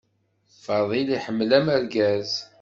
Fadil iḥemmel amergaz.